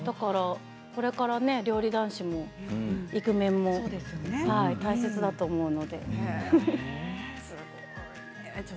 これから料理男子もイクメンも大切だと思うので。